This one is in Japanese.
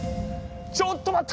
ちょっと待った！